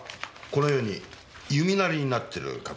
このように弓なりになってる形。